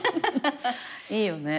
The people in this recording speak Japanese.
いいよね。